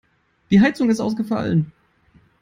Die Heizung ist ausgefallen.